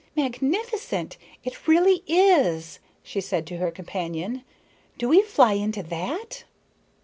"Magnificent! It really is," she said to her companion. "Do we fly into that?"